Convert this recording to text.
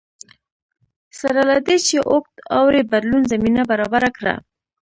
سره له دې چې اوږد اوړي بدلون زمینه برابره کړه